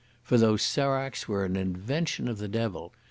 For those seracs were an invention of the devil.